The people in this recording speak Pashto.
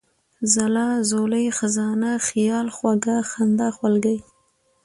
ځلا ، ځولۍ ، خزانه ، خياله ، خوږه ، خندا ، خولگۍ ،